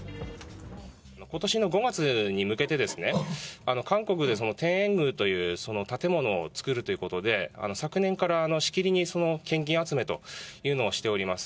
ことしの５月に向けて、韓国でその天苑宮という建物を造るということで、昨年から、しきりにその献金集めというのをしております。